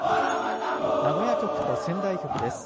名古屋局と仙台局です。